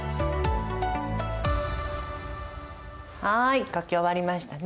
はい書き終わりましたね。